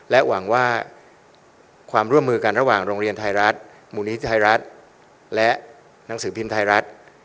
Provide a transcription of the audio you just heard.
หวังว่าความร่วมมือกันระหว่างโรงเรียนไทยรัฐมูลนิธิไทยรัฐและหนังสือพิมพ์ไทยรัฐ